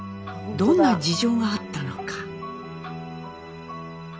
どんな事情があったのか？